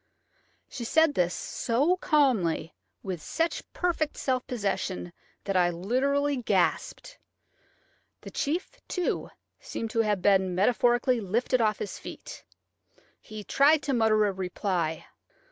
She said this so calmly, with such perfect self possession, that I literally gasped. The chief, too, seemed to have been metaphorically lifted off his feet. He tried to mutter a reply.